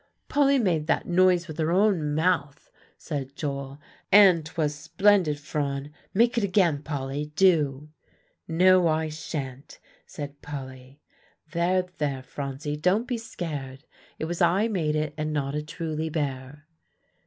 "Polly made that noise with her own mouth," said Joel; "and 'twas splendid, Phron. Make it again, Polly, do." "No, I sha'n't," said Polly. "There, there, Phronsie, don't be scared; it was I made it, and not a truly bear."